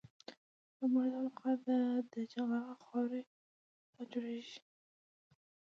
نوموړې طبقه د جغل او خاورې څخه جوړیږي